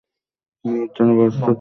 নেয়ার জন্য প্রস্তুত তো?